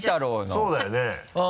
そうだよね。